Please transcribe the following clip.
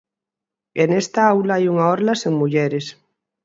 E nesta aula hai unha orla sen mulleres.